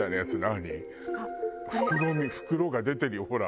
袋袋が出てるよほら。